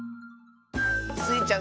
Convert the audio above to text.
スイちゃん